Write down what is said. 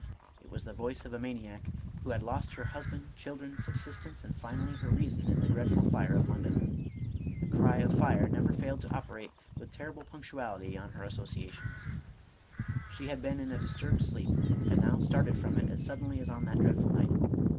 It was the voice, of a maniac, who had lost her husband, children, subsistence, and finally her reason, in the dreadful fire of London. The cry of fire never failed to operate with terrible punctuality on her associations. She had been in a disturbed sleep, and now started from it as suddenly as on that dreadful night.